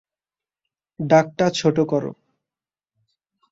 ডাকটা ছোট করো।